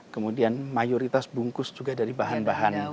kemudian mayoritas bungkus juga dari bahan bahan